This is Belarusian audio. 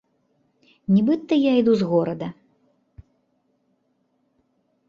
Нібыта я іду з горада.